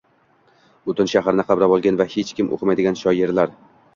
Butun shaharni qamrab olgan va hech kim o‘qimaydigan shiorlar